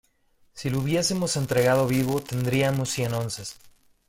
si le hubiésemos entregado vivo, tendríamos cien onzas.